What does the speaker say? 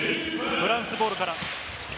フランスボールから。